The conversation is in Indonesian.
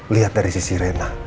lihat dari sisi rena